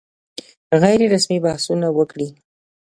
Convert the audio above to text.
غیر رسمي بحثونه وکړي.